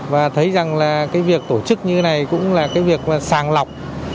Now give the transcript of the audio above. và thấy rằng là cái việc tổ chức như thế này cũng là cái việc mà sàng lọc